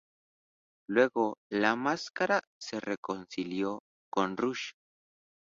Luego, La Máscara se reconcilió con Rush.